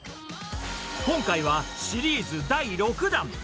今回はシリーズ第６弾。